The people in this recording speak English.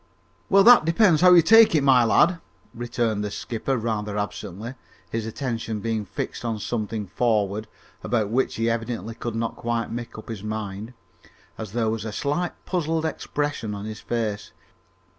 "Well, that depends how you take it, my lad," returned the skipper rather absently, his attention being fixed on something forward, about which he evidently could not quite make up his mind, as there was a slight puzzled expression on his face.